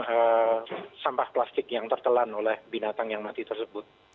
ada sampah plastik yang tertelan oleh binatang yang mati tersebut